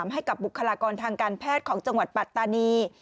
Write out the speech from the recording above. ให้กับบุคลากรทางการแพทย์ของจังหวัดปัตตานี